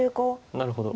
なるほど。